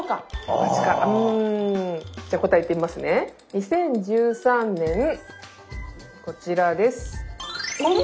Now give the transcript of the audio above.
２０１３年こちらです。